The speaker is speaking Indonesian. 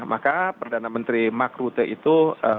maka perdana menteri mark rutte